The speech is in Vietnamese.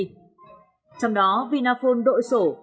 trong đó vinaphone đội sổ